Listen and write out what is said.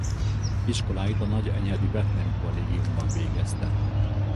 Iskoláit a nagyenyedi Bethlen-kollégiumban végezte.